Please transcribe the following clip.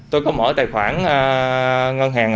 tôi có mở tài khoản ngân hàng